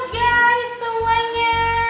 hai guys semuanya